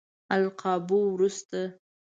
القابو وروسته.